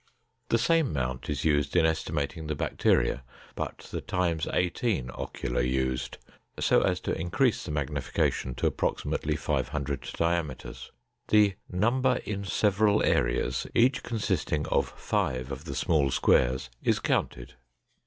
The same mount is used in estimating the bacteria, but the ×18 ocular used so as to increase the magnification to approximately 500 diameters. The "number in several areas, each consisting of five of the small squares, is counted."